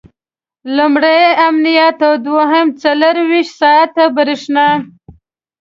لومړی امنیت او دویم څلرویشت ساعته برېښنا.